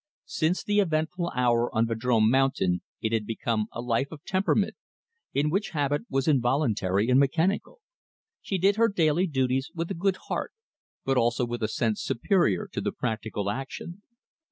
Since the eventful hour on Vadrome Mountain it had become a life of temperament, in which habit was involuntary and mechanical. She did her daily duties with a good heart, but also with a sense superior to the practical action.